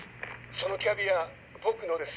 そのキャビア僕のです。